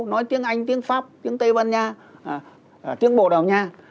nói tiếng anh tiếng pháp tiếng tây ban nha tiếng bồ đào nha